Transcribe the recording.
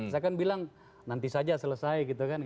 saya kan bilang nanti saja selesai gitu kan